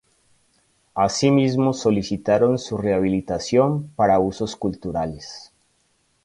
Así mismo solicitaron su rehabilitación para usos culturales.